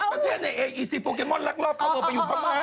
ประเทศในเออีซีโปเกมอนลักลอบเข้าเมืองไปอยู่พม่า